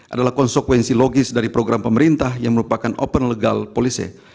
adalah konsekuensi logis dari program pemerintah yang merupakan open legal policy